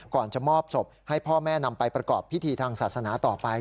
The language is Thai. ก่อนจะมอบศพให้พ่อแม่นำไปประกอบพิธีทางศาสนาต่อไป